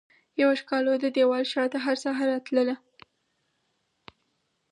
یوه ښکالو ددیوال شاته هرسحر راتلله